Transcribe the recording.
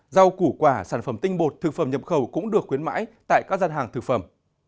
rau củ quả sản phẩm tinh bột thực phẩm nhập khẩu cũng được khuyến mãi tại các gian hàng thực phẩm